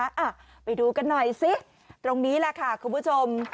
อ่ะไปดูกันหน่อยสิตรงนี้แหละค่ะคุณผู้ชม